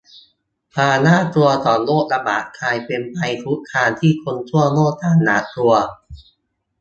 ความน่ากลัวของโรคระบาดกลายเป็นภัยคุกคามที่คนทั่วโลกต่างหวาดกลัว